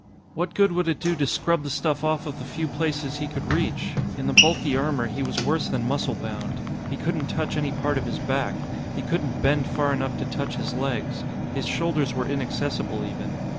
What good would it do to scrub the stuff off of the few places he could reach? In the bulky armor, he was worse than muscle bound. He couldn't touch any part of his back; he couldn't bend far enough to touch his legs. His shoulders were inaccessible, even.